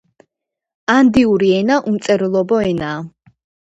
ანდიური ენა უმწერლობო ენაა.